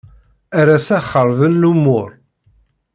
Ar assa xerben lumuṛ.